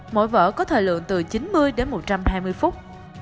mỗi vở có thời lượng từ chín mươi đến một trăm hai mươi phút